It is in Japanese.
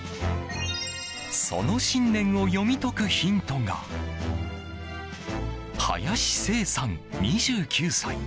その信念を読み解くヒントが林生さん、２９歳。